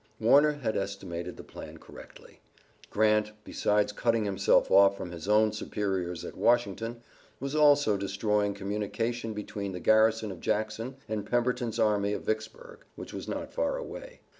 Warner had estimated the plan correctly. Grant, besides cutting himself off from his own superiors at Washington, was also destroying communication between the garrison of Jackson and Pemberton's army of Vicksburg, which was not far away.